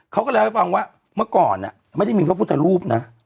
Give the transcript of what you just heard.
เขาก็เลยไปฟังว่าเมื่อก่อนไม่จงมีภะพุทธรูปนะ